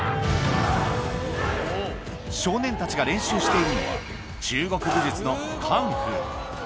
少年たちが練習しているのは、中国武術のカンフー。